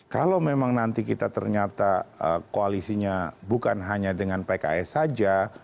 kalau memang nanti kita ternyata koalisinya bukan hanya dengan pks saja